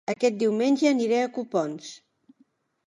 Aquest diumenge aniré a Copons